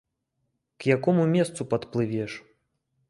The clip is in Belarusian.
К якому месцу падплывеш?